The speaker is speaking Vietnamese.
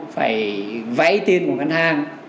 phải vấy tiền của ngân hàng